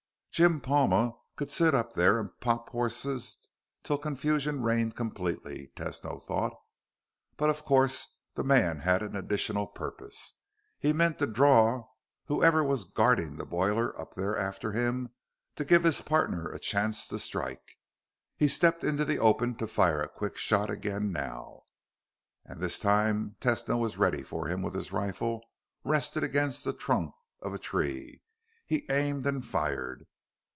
Jim Palma could sit up there and pot horses till confusion reigned completely, Tesno thought. But of course, the man had an additional purpose. He meant to draw whoever was guarding the boiler up there after him to give his partner a chance to strike. He stepped into the open to fire a quick shot again now. And this time Tesno was ready for him with his rifle rested against the trunk of a tree. He aimed and fired.